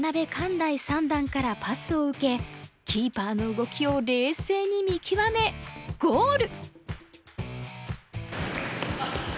大三段からパスを受けキーパーの動きを冷静に見極めゴール！